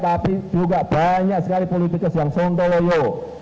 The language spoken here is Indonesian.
tapi juga banyak sekali politikus yang sontoloyo